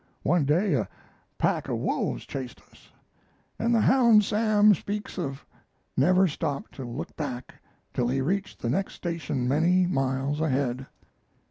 One day a pack of wolves chased us, and the hound Sam speaks of never stopped to look back till he reached the next station, many miles ahead.